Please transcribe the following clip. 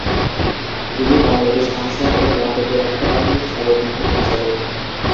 তিনি বাংলাদেশ আনসার ও গ্রাম প্রতিরক্ষা বাহিনীর সাবেক মহাপরিচালক।